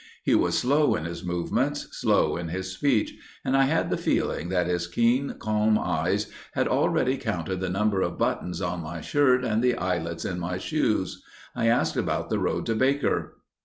He was slow in his movements, slow in his speech and I had the feeling that his keen, calm eyes had already counted the number of buttons on my shirt and the eyelets in my shoes. I asked about the road to Baker.